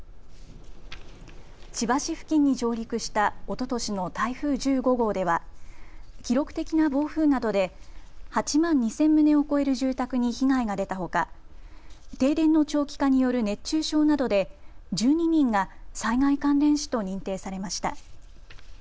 千葉市付近に上陸したおととしの台風１５号では記録的な暴風などで８万２０００棟を超える住宅に被害が出たほか停電の長期化による熱中症などで１２人が災害関連死と認定されました。